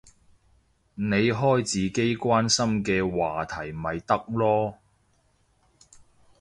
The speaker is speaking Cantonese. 你開自己關心嘅話題咪得囉